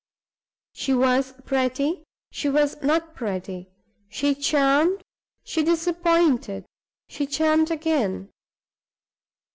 She was pretty; she was not pretty; she charmed, she disappointed, she charmed again.